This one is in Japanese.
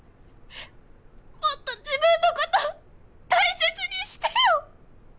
もっと自分のこと大切にしてよ！